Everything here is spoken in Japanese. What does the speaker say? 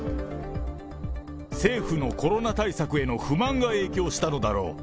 政府のコロナ対策への不満が影響したのだろう。